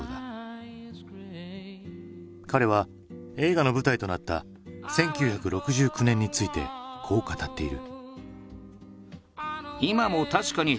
彼は映画の舞台となった１９６９年についてこう語っている。